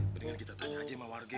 mendingan kita tanya aja sama warga